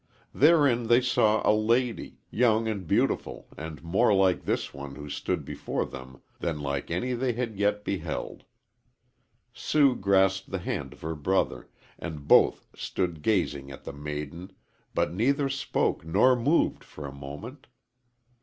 Therein they saw a lady, young and beautiful and more like this one who stood before them than like any they had yet beheld. Sue grasped the hand of her brother, and both stood gazing at the maiden, but neither spoke nor moved for a moment.